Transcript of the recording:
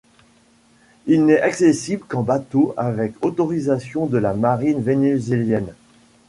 Il n'est accessible qu'en bateau avec autorisation de la marine vénézuélienne.